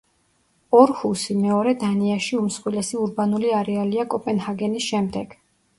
ორჰუსი მეორე დანიაში უმსხვილესი ურბანული არეალია კოპენჰაგენის შემდეგ.